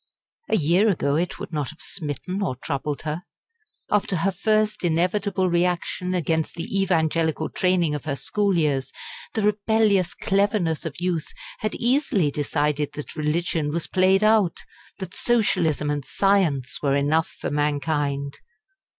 A year ago it would not have smitten or troubled her. After her first inevitable reaction against the evangelical training of her school years, the rebellious cleverness of youth had easily decided that religion was played out, that Socialism and Science were enough for mankind.